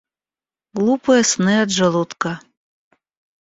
Глупые сны от желудка.